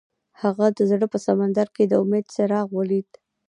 هغه د زړه په سمندر کې د امید څراغ ولید.